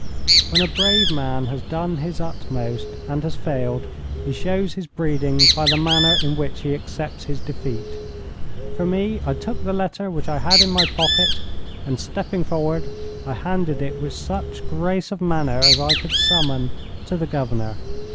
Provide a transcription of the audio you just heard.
When a brave man has done his utmost, and has failed, he shows his breeding by the manner in which he accepts his defeat. For me, I took the letter which I had in my pocket, and stepping forward, I handed it with such grace of manner as I could summon to the Governor.